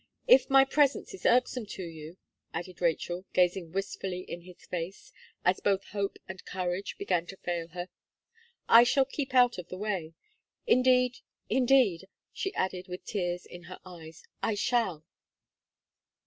If my presence is irksome to you," added Rachel, gazing wistfully in his face, as both hope and courage began to fail her, "I shall keep out of the way. Indeed, indeed," she added with tears in her eyes, "I shall."